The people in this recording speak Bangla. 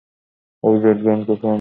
আরিভাজাগানকে ফোন করবে।